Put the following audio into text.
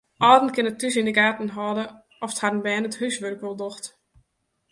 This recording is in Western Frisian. Alden kinne thús yn de gaten hâlde oft harren bern it húswurk wol docht.